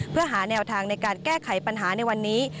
เพื่อหาแนวทางในการแก้ไขปัญหาในวันนี้